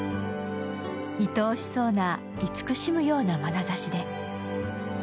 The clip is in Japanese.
愛おしそうな、いつくしむようなまなざしで。